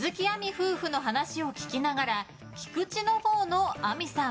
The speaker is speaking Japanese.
夫婦の話を聞きながら菊地のほうの亜美さん